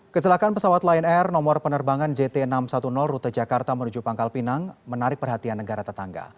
kecelakaan pesawat lion air nomor penerbangan jt enam ratus sepuluh rute jakarta menuju pangkal pinang menarik perhatian negara tetangga